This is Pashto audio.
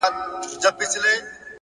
څه لېونۍ شاني گناه مي په سجده کي وکړه ـ